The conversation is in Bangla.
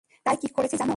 তাই কী করেছি, জানো?